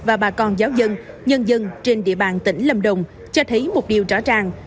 và bà con giáo dân nhân dân trên địa bàn tỉnh lâm đồng cho thấy một điều rõ ràng